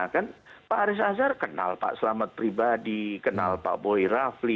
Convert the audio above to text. kan pak haris azhar kenal pak selamat pribadi kenal pak boy rafli